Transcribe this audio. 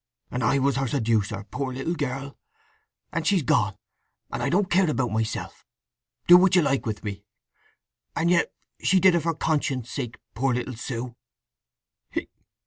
And I was her seducer—poor little girl! And she's gone—and I don't care about myself! Do what you like with me! … And yet she did it for conscience' sake, poor little Sue!"